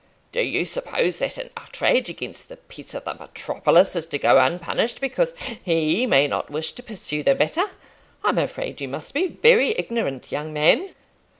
Do you suppose that an outrage against the peace of the Metropolis is to go unpunished because he may not wish to pursue the matter? I'm afraid you must be very ignorant, young man."